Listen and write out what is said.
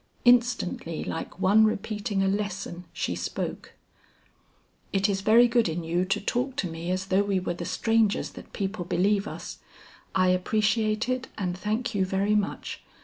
Instantly like one repeating a lesson she spoke. "It is very good in you to talk to me as though we were the strangers that people believe us. I appreciate it and thank you very much.